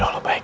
jodoh lo baik